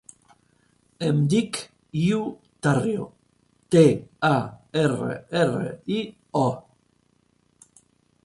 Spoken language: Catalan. Em dic Iu Tarrio: te, a, erra, erra, i, o.